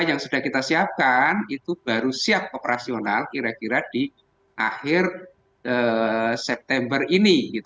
yang sudah kita siapkan itu baru siap operasional kira kira di akhir september ini